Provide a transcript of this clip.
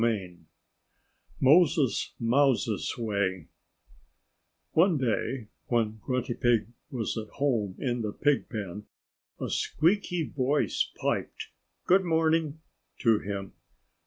XXIII MOSES MOUSE'S WAY One day when Grunty Pig was at home, in the pigpen, a squeaky voiced piped "Good morning!" to him.